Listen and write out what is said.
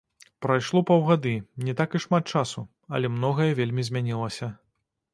Прайшло паўгады, не так і шмат часу, але многае вельмі змянілася.